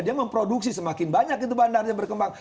dia memproduksi semakin banyak itu bandarnya berkembang